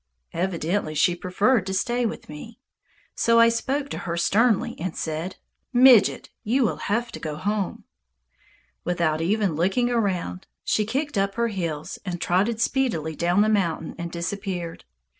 Evidently she preferred to stay with me. So I spoke to her sternly and said, "Midget, you will have to go home!" Without even looking round, she kicked up her heels and trotted speedily down the mountain and disappeared.